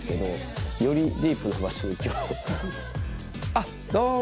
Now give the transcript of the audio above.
あっどうも。